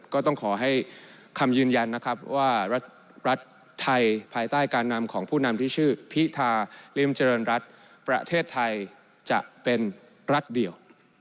ก็ต้องขอให้คำยืนยันนะครับว่ารัฐไทยภายใต้การนำของผู้นำที่ชื่อพิธาริมเจริญรัฐประเทศไทยจะเป็นรัฐเดียว